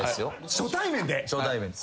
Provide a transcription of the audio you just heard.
初対面です。